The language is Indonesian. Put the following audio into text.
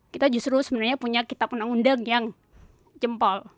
kita justru sebenarnya punya kitab undang undang yang jempol